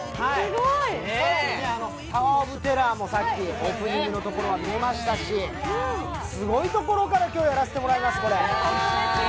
タワー・オブ・テラーもさっき、オープニングのところから出ましたし、すごいところから今日やらせてもらいます。